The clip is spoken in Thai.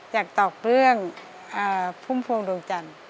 อยากตอบเรื่องพุ่มพวงดวงจันทร์